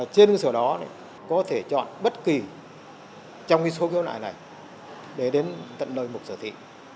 trên cơ sở đó có thể chọn bất kỳ trong số khiếu nại này để đến tận nơi mục sở thị